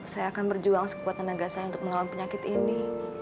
saya akan berjuang sekuat tenaga saya untuk melawan penyakit ini